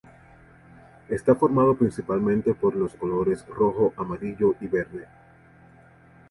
Está formado principalmente por los colores rojo, amarillo y verde.